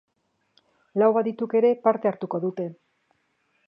Lau adituk ere parte hartuko dute.